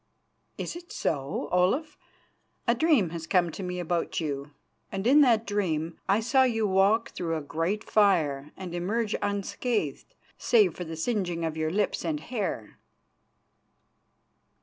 "Is it so? Olaf, a dream has come to me about you, and in that dream I saw you walk through a great fire and emerge unscathed, save for the singeing of your lips and hair."